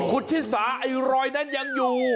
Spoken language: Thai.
คุณชิสาไอ้รอยนั้นยังอยู่